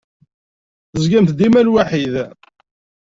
Tezgam dima lwaḥid.